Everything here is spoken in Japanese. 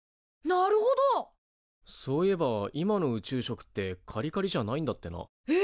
そういえば今の宇宙食ってカリカリじゃないんだってな。え！？